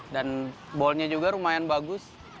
dan ballnya juga lumayan bagus